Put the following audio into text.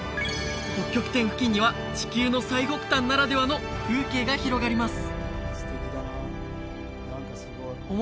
北極点付近には地球の最北端ならではの風景が広がります